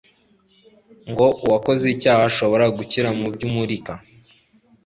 ngo uwakoze icyaha ashobore gukira mu by'umurika.